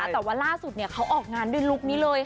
แต่ว่าล่าสุดเขาออกงานด้วยลุคนี้เลยค่ะ